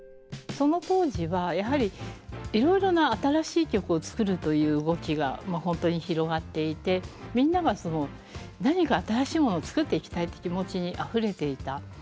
その当時はやはりいろいろな新しい曲を作るという動きが本当に広がっていてみんながその何か新しいものを作っていきたいって気持ちにあふれていた。